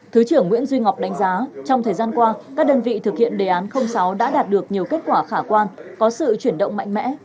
thứ trưởng nguyễn duy ngọc đánh giá trong thời gian qua các đơn vị thực hiện đề án sáu đã đạt được nhiều kết quả khả quan có sự chuyển động mạnh mẽ